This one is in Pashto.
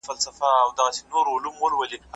بیکاري د ټولني لپاره لویه ستونزه ده.